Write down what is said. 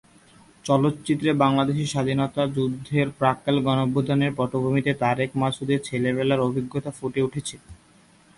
চলচ্চিত্রে বাংলাদেশের স্বাধীনতা যুদ্ধের প্রাক্কালে গণঅভ্যুত্থানের পটভূমিতে তারেক মাসুদের ছেলেবেলার অভিজ্ঞতা ফুটে উঠেছে।